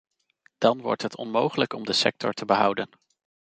Dan wordt het onmogelijk om de sector te behouden.